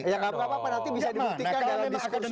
ya gak apa apa nanti bisa dibuktikan dalam diskursus